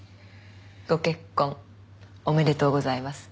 ご結婚おめでとうございます。